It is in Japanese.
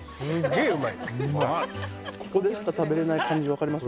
ここでしか食べられない感じわかります。